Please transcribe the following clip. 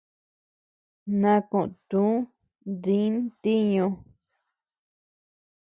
Na koʼö tu di ntiñu.